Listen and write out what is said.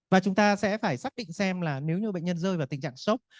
và chúng ta sẽ phải xác định xem là nếu như bệnh nhân rơi vào tình trạng sốc